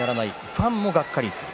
ファンもがっかりする。